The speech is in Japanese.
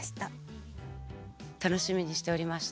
楽しみにしておりました。